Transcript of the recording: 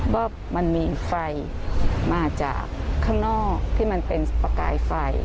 ว่ามันมีไฟมาจากข้างนอกที่มันเป็นประกายไฟ